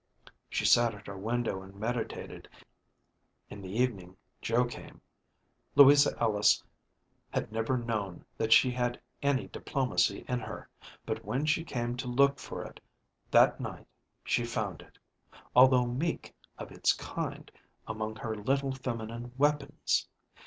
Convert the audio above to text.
She sat at her window and meditated. In the evening Joe came. Louisa Ellis had never known that she had any diplomacy in her, but when she came to look for it that night she found it, although meek of its kind, among her little feminine weapons.